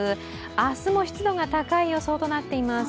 明日も湿度が高い予想となっています。